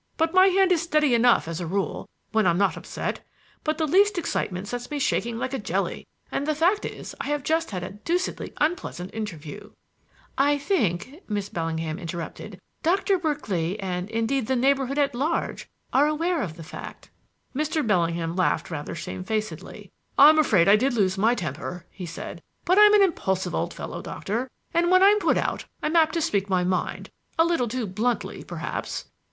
But my hand is steady enough as a rule, when I'm not upset, but the least excitement sets me shaking like a jelly. And the fact is that I have just had a deucedly unpleasant interview " "I think," Miss Bellingham interrupted, "Doctor Berkeley and, indeed, the neighborhood at large, are aware of the fact." Mr. Bellingham laughed rather shamefacedly. "I'm afraid I did lose my temper," he said; "but I am an impulsive old fellow, Doctor, and when I'm put out I'm apt to speak my mind a little too bluntly perhaps."